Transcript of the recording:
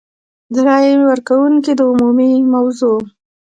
د رایې ورکونې د عمومیت موضوع.